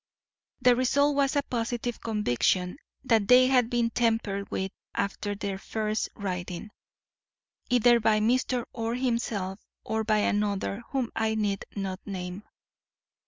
The result was a positive conviction that they had been tampered with after their first writing, either by Mr. Orr himself or by another whom I need not name.